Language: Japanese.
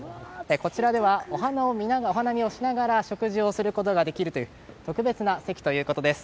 こちらではお花見をしながら食事をすることができるという特別な席ということです。